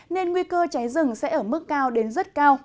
nên nguy cơ cháy rừng sẽ ở mức cao đến rất cao